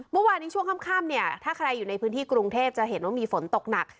เมื่อวานนี้ช่วงค่ำเนี่ยถ้าใครอยู่ในพื้นที่กรุงเทพจะเห็นว่ามีฝนตกหนัก